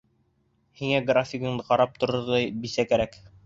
Һиңә графигыңды ҡарап торорҙай бисә кәрәк.